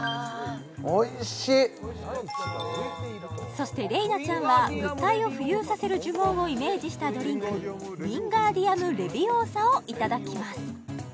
そして麗奈ちゃんは物体を浮遊させる呪文をイメージしたドリンクウィンガーディアム・レヴィオーサをいただきます